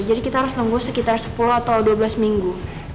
jadi kita harus nunggu sekitar sepuluh atau dua belas minggu